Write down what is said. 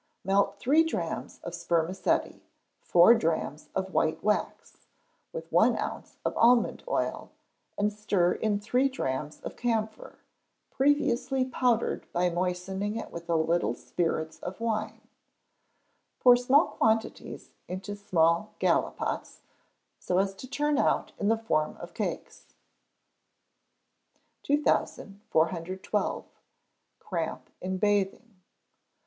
Melt three drachms of spermaceti, four drachms of white wax, with one ounce of almond oil, and stir in three drachms of camphor (previously powdered by moistening it with a little spirits of wine); pour small quantities into small gallipots, so as to turn out in the form of cakes. 2412. Cramp in Bathing.